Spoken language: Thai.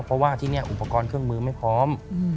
เพราะว่าที่นี่อุปกรณ์เครื่องมือไม่พร้อม